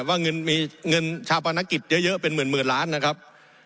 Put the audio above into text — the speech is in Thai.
ว่าเงินมีเงินชาปนกิจเยอะเป็นหมื่นล้านนะครับ